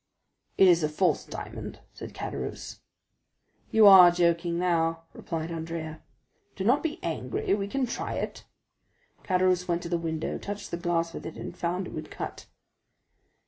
"It is a false diamond," said Caderousse. "You are joking now," replied Andrea. "Do not be angry, we can try it." Caderousse went to the window, touched the glass with it, and found it would cut.